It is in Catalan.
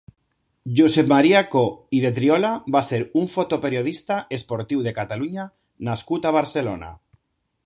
Josep Maria Co i de Triola va ser un fotoperiodista esportiu de Catalunya nascut a Barcelona.